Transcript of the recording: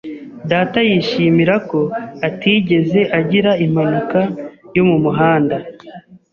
Data yishimira ko atigeze agira impanuka yo mu muhanda.